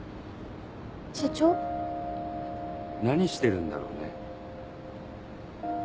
何してるんだろうね？